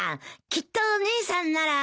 きっと姉さんなら。